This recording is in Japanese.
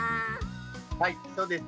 はいそうです。